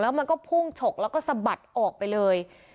แล้วมันก็ผุ้งจกแล้วก็สะบัดออกไปเลย